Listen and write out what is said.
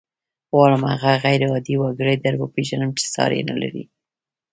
غواړم هغه غير عادي وګړی در وپېژنم چې ساری نه لري.